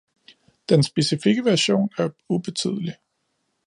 Den specifikke version er ubetydelig